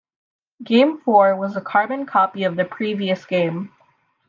Game four was a carbon copy of the previous game.